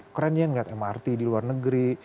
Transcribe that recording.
keren ya ngelihat mrt di luar negeri